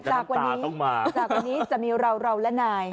จากวันนี้จะมีเราเราและนาย